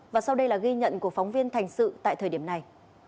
và sau đây là ghi nhận của phóng viên thành sự tại thời điểm này